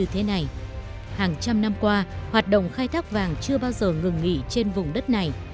hàng trăm năm qua hoạt động khai thác vàng chưa bao giờ ngừng nghỉ trên vùng đất này